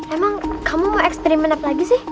emang kamu ekstrimmen apa lagi sih